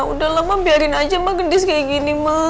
udah lama biarin aja mak gendis kayak gini mak